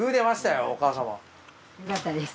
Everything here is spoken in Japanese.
よかったです。